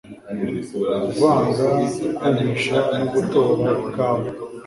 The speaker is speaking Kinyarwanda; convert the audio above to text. kuvanga, kumisha no gutora ikawa